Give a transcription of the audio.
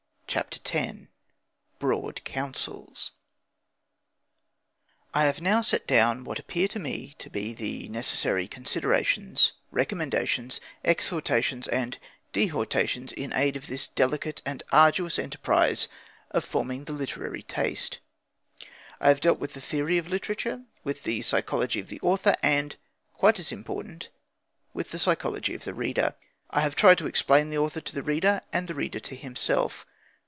CHAPTER X BROAD COUNSELS I have now set down what appear to me to be the necessary considerations, recommendations, exhortations, and dehortations in aid of this delicate and arduous enterprise of forming the literary taste. I have dealt with the theory of literature, with the psychology of the author, and quite as important with the psychology of the reader. I have tried to explain the author to the reader and the reader to himself.